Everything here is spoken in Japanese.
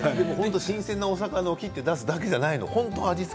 新鮮なお魚を切って出すだけではなくて。